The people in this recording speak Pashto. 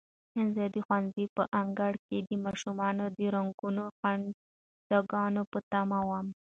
زه د ښوونځي په انګړ کې د ماشومانو د رنګینو خنداګانو په تمه وم.